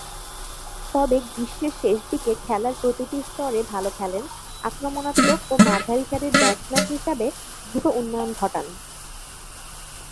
তবে, গ্রীষ্মের শেষদিকে খেলার প্রতিটি স্তরে ভালো খেলেন, আক্রমণাত্মক ও মাঝারিসারির ব্যাটসম্যান হিসেবে দ্রুত উন্নয়ন ঘটান।